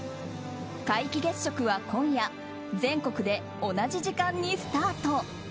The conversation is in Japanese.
皆既月食は今夜全国で同じ時間にスタート。